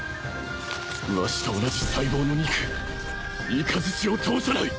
わしと同じ細胞の肉いかずちを通さない！